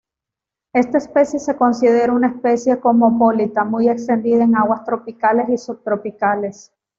Esta especie se considera una especie cosmopolita muy extendida en aguas tropicales y subtropicales.